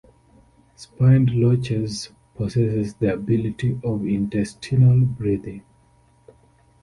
Spined loaches possess the ability of intestinal breathing.